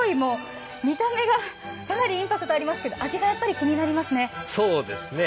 見た目がかなりインパクトありますけど味が気になりますね。